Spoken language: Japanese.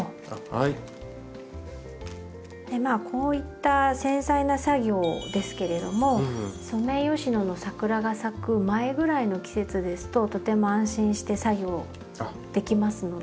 まあこういった繊細な作業ですけれどもソメイヨシノの桜が咲く前ぐらいの季節ですととても安心して作業できますので。